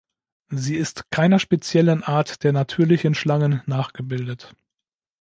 Sie ist keiner speziellen Art der natürlichen Schlangen nachgebildet.